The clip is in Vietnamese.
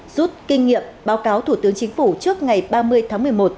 rút kinh nghiệm báo cáo thủ tướng chính phủ trước ngày ba mươi tháng một mươi một